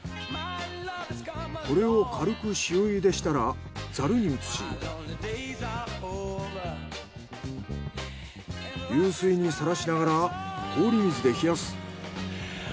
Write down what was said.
これを軽く塩ゆでしたらザルに移し流水にさらしながら氷水で冷やす。